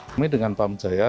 kami dengan pamjaya